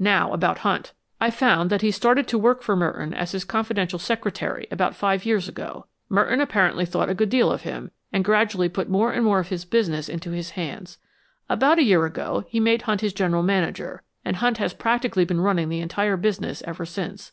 "Now, about Hunt. I found that he started to work for Merton as his confidential secretary about five years ago. Merton apparently thought a good deal of him, and gradually put more and more of his business into his hands. About a year ago, he made Hunt his general manager, and Hunt has practically been running the entire business ever since.